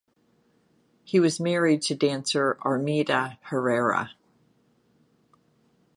He was married to dancer Armida Herrera.